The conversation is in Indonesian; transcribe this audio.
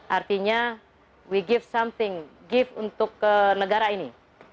artinya we give something give untuk negara ini